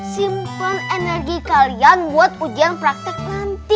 simpan energi kalian buat ujian praktik nanti